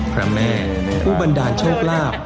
พระแม่ผู้บันดาลโชคลาภ